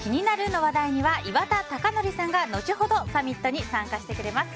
の話題には岩田剛典さんが後ほどサミットに参加してくれます。